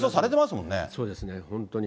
もんそうですね、本当に。